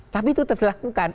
tapi itu terlakukan